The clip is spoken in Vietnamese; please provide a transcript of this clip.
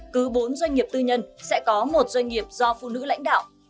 cứ bốn doanh nghiệp tư nhân sẽ có một doanh nghiệp do phụ nữ lãnh đạo